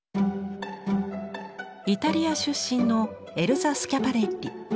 イタリア出身のエルザ・スキャパレッリ。